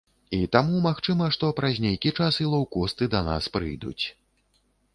І таму магчыма, што праз нейкі час і лоўкосты да нас прыйдуць.